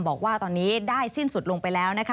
บอกว่าตอนนี้ได้สิ้นสุดลงไปแล้วนะคะ